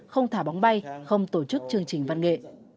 không thả bóng bay không tổ chức chương trình văn nghệ